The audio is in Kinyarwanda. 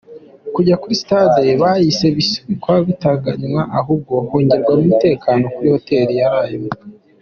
Kujya kuri sitadi byahise bisubikwa igitaraganya ahubwo hongerwa umutekano kuri Hoteli yarayemo.